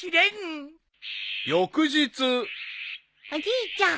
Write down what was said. ［翌日］・おじいちゃん。